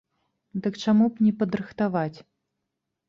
Дык чаму б не падрыхтаваць?